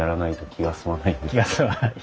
気が済まない。